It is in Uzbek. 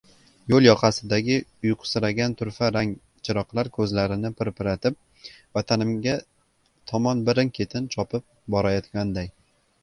Yoʻl yoqasidagi uyqusiragan turfa rang chiroqlar koʻzlarini pirpiratib, vatanimga tomon birin-ketin chopib borayotganday.